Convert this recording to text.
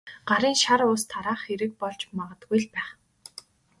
Гарын шар ус тараах хэрэг болж магадгүй л байх.